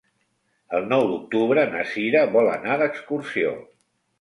El nou d'octubre na Sira vol anar d'excursió.